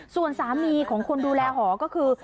ส่วนสามีของคนดูแลหอก็คือ